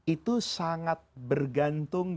itu sangat bergantung